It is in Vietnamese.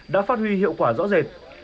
đã phát huy hiệu quả rõ rệt